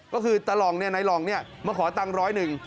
ก็คือตะหล่องนายหล่องมาขอตังค์ร้อยหนึ่ง